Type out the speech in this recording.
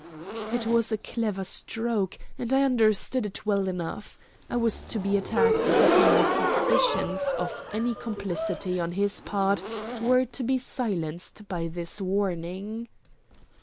It was a clever stroke, and I understood it well enough. I was to be attacked, but my suspicions of any complicity on his part were to be silenced by this warning.